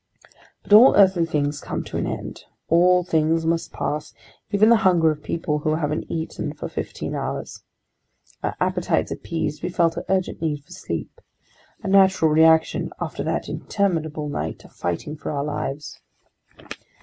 But all earthly things come to an end, all things must pass, even the hunger of people who haven't eaten for fifteen hours. Our appetites appeased, we felt an urgent need for sleep. A natural reaction after that interminable night of fighting for our lives.